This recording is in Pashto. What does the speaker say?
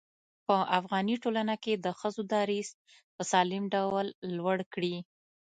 په افغاني ټولنه کې د ښځو دريځ په سالم ډول لوړ کړي.